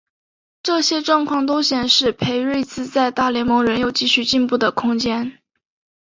这些状况都显示裴瑞兹在大联盟仍有继续进步的空间。